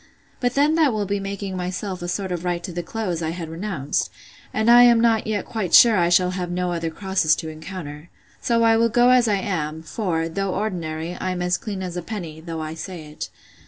But then that will be making myself a sort of right to the clothes I had renounced; and I am not yet quite sure I shall have no other crosses to encounter. So I will go as I am; for, though ordinary, I am as clean as a penny, though I say it.